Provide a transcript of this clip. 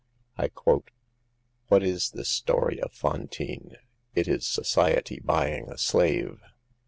I quote :" What is this story of Fantine ? It is so ciety buying a slave.